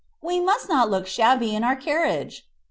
We must not look shabby in our carriage."